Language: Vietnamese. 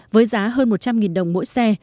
với giá hơn một trăm linh đồng mỗi xe